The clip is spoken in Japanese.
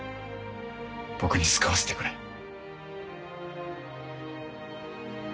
僕に救わせてくれ。